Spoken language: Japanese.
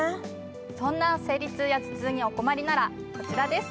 そんな生理痛や頭痛にお困りならこちらです。